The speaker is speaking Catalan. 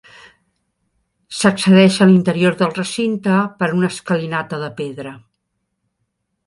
S'accedeix a l'interior del recinte per una escalinata de pedra.